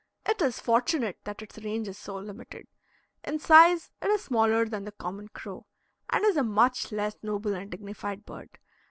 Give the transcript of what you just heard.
It is fortunate that its range is so limited. In size it is smaller than the common crow, and is a much less noble and dignified bird.